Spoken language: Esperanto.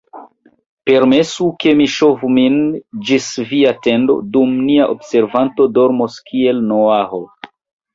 Permesu, ke mi ŝovu min ĝis via tendo, dum nia observanto dormos kiel Noaho.